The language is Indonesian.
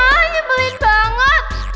ah nyebelin banget